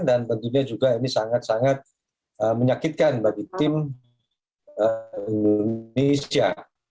dan tentunya juga ini sangat menyakitkan bagi tim indonesia